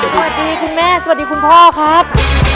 สวัสดีคุณแม่สวัสดีคุณพ่อครับ